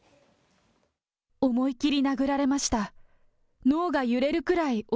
思いきり殴られました。